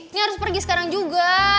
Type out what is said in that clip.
ini harus pergi sekarang juga